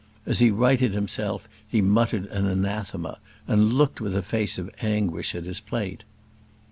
As he righted himself he muttered an anathema, and looked with a face of anguish at his plate.